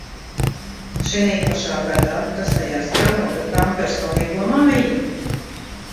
Šinī pašā gadā Krasnojarskā nopirkām personīgo mājiņu.